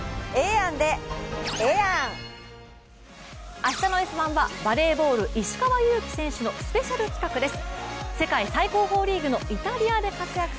明日の「Ｓ☆１」はバレーボール・石川祐希選手の特別企画です。